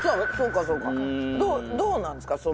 そうかそうかどうなんですか？